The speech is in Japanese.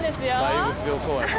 だいぶ強そうやな。